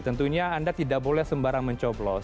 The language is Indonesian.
tentunya anda tidak boleh sembarangan mencoplos